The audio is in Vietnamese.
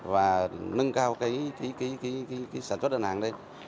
và nâng cao cái sản xuất đơn hàng lên